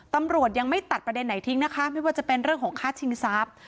ตำรวจยังไม่ตัดประเด็นไหนทิ้งนะคะไม่ว่าจะเป็นเรื่องของฆ่าชิงทรัพย์